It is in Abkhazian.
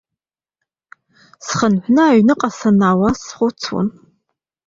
Схынҳәны аҩныҟа санаауаз схәыцуан.